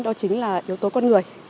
đó chính là yếu tố con người